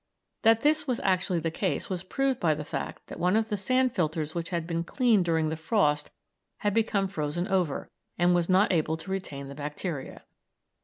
That this was actually the case was proved by the fact that one of the sand filters which had been cleaned during the frost had become frozen over, and was not able to retain the bacteria.